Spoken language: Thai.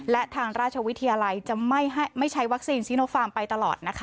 และทางราชวิทยาลัยจะไม่ใช้วัคซีนซีโนฟาร์มไปตลอดนะคะ